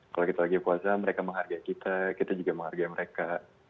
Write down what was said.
kalau kita lagi puasa mereka menghargai kita kita juga menghargai mereka